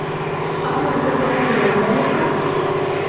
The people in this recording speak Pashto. ایا زه باید لیزر وکړم؟